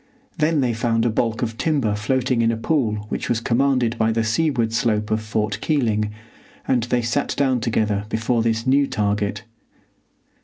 Then they found a balk of timber floating in a pool which was commanded by the seaward slope of Fort Keeling, and they sat down together before this new target.